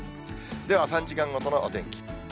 では、３時間ごとのお天気。